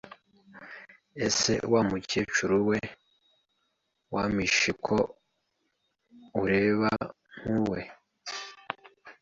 Ese wa mukecuru we wampishe ko ureba nkubwe